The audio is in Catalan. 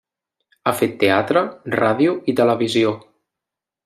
Ha fet teatre, ràdio i televisió.